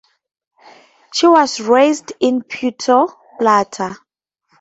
She was raised in Puerto Plata.